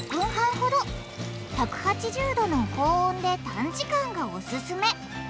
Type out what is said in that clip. １８０℃の高温で短時間がオススメ。